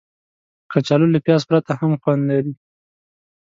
کچالو له پیاز پرته هم خوند لري